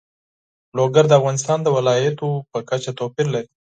لوگر د افغانستان د ولایاتو په کچه توپیر لري.